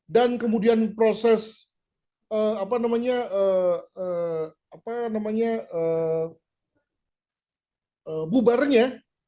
dan kemudian proses bubarnya